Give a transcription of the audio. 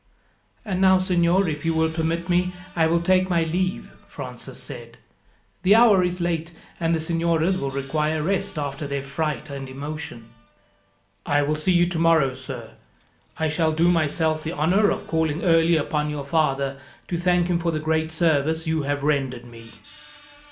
"And now, signor, if you will permit me I will take my leave," Francis said. "The hour is late, and the signoras will require rest after their fright and emotion." "I will see you tomorrow, sir. I shall do myself the honour of calling early upon your father, to thank him for the great service you have rendered me."